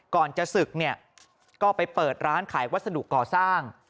ก่อนจะศึกเนี่ยก็ไปเปิดร้านขายวัสดุก่อสร้าง